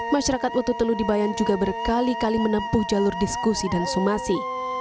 masyarakat ututelu di bayan juga berkali kali menempuh jalur diskusi dan sumasi